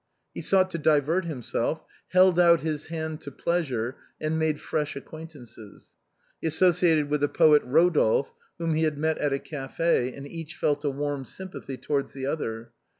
He sought to divert himself, held out his hand to plea sure, and made fresh acquaintances. He associated with the poet, Eodolphe, whom he had met at a café, and each felt a warm sympathy towards the other.